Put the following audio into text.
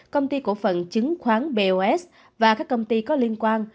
công ty cổ phần chứng khoán bos và các công ty có liên quan